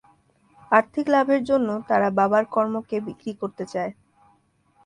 আর্থিক লাভের জন্য তারা বাবার কর্মকে বিক্রি করতে চায়।